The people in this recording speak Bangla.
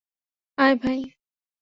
আয়, ভাই!